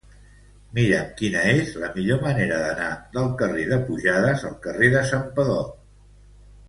Mira'm quina és la millor manera d'anar del carrer de Pujades al carrer de Santpedor.